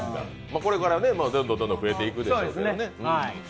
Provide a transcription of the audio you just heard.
これがどんどん増えていくでしょうけどね。